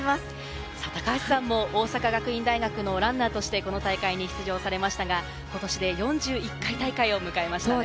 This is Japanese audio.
高橋さんも大阪学院大学のランナーとして、この大会に出場されましたが、ことしで４１回大会を迎えましたね。